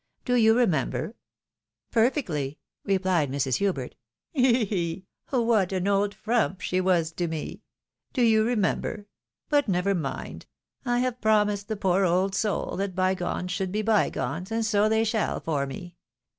Do you remember ?"" Perfectly," rephed Mrs. Hubert. " He ! he ! he ! What an old frump she was to me ! Do you remember? — ^But never mind ! I have promised the poor old soul that bygones should be bygones, and so they shall for me.